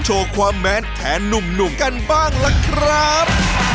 โชว์ความแม้นแทนหนุ่มกันบ้างล่ะครับ